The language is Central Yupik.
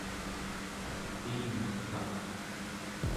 piinerkaq